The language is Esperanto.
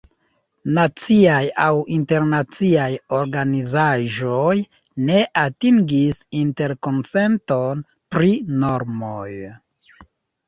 Naciaj aŭ internaciaj organizaĵoj ne atingis interkonsenton pri normoj.